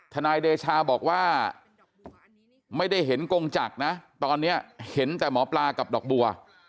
นายเดชาบอกว่าไม่ได้เห็นกงจักรนะตอนนี้เห็นแต่หมอปลากับดอกบัว